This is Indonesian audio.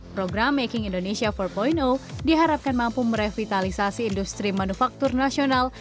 program making indonesia empat diharapkan mampu merevitalisasi industri manufaktur nasional